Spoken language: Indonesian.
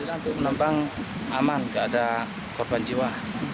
aman nggak ada korban jiwa